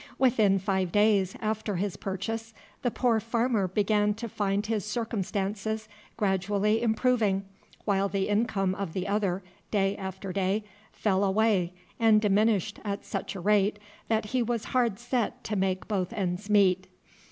Within five days after his purchase, the poor farmer began to find his circumstances gradually improving, while the income of the other, day after day, fell away and diminished at such a rate that he was hard set to make both ends meet.